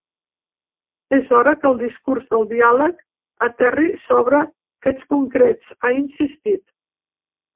És hora que el discurs del diàleg aterri sobre fets concrets, ha insistit.